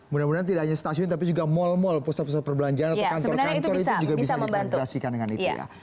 mudah mudahan tidak hanya stasiun tapi juga mal mal pusat pusat perbelanjaan atau kantor kantor itu juga bisa diintegrasikan dengan itu ya